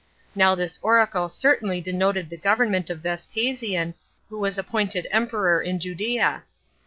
Now this oracle certainly denoted the government of Vespasian, who was appointed emperor in Judea.